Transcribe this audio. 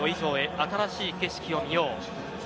新しい景色を見よう。